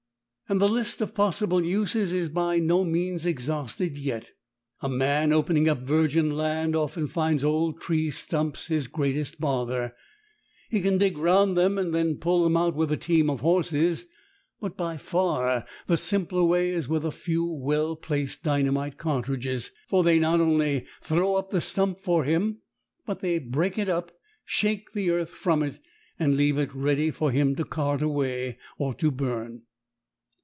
And the list of possible uses is by no means exhausted yet. A man opening up virgin land often finds old tree stumps his greatest bother. He can dig round them and then pull them out with a team of horses, but by far the simpler way is with a few well placed dynamite cartridges, for they not only throw up the stump for him, but they break it up, shake the earth from it, and leave it ready for him to cart away or to burn.